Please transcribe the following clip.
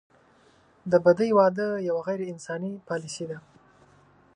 د بدۍ واده یوه غیر انساني پالیسي ده.